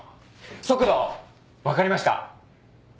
速度分かりました？